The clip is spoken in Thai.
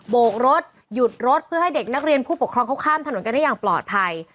โกกรถหยุดรถเพื่อให้เด็กนักเรียนผู้ปกครองเขาข้ามถนนกันได้อย่างปลอดภัย